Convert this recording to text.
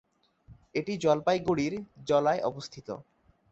এটি জলপাইগুড়ি জলায় অবস্থিত।